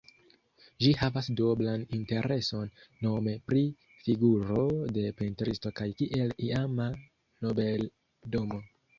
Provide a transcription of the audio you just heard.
Ĝi havas duoblan intereson, nome pri figuro de pentristo kaj kiel iama nobeldomo.